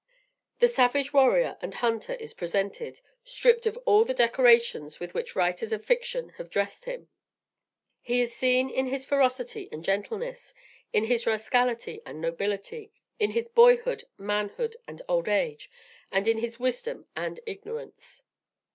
The savage warrior and hunter is presented, stripped of all the decorations with which writers of fiction have dressed him. He is seen in his ferocity and gentleness, in his rascality and nobility, in his boyhood, manhood, and old age, and in his wisdom and ignorance.